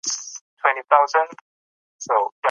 تاسي باید د غلطو معلوماتو مخه ونیسئ.